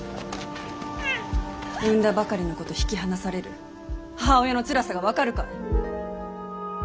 産んだばかりの子と引き離される母親のつらさが分かるかい？